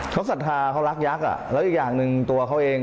เขาศรัทธาเขารักยักษ์แล้วอีกอย่างหนึ่งตัวเขาเอง